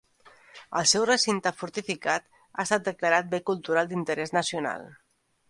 El seu recinte fortificat ha estat declarat bé cultural d'interès nacional.